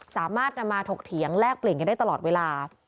สามารถนำมาถกเถียงแลกเปลี่ยนกันได้ตลอดเวลา